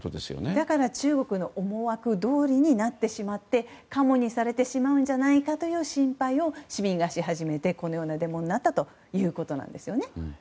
だから中国の思惑通りになってしまってカモにされてしまうんじゃないかという心配を市民がし始めてこのようなデモになったということです。